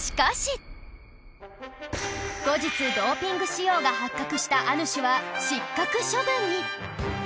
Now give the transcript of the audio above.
後日ドーピング使用が発覚したアヌシュは失格処分に